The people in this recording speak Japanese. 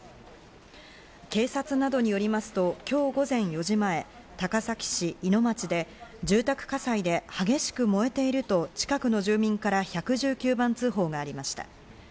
警察などによりますと今日午前４時前、高崎市井野町で住宅火災で激しく燃えていると近くの住民から１１９番通報がありました。